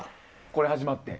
これ始まって。